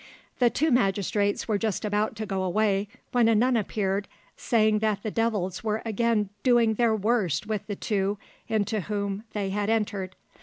The two magistrates were just about to go away, when a nun appeared, saying that the devils were again doing their worst with the two into whom they had entered.